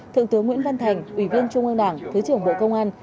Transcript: thượng tướng nguyễn văn thành ủy viên trung ương đảng thứ trưởng bộ công an